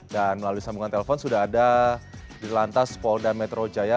dan melalui sambungan telpon sudah ada di lantas polda metro jaya